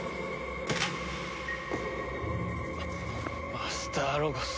マスターロゴス。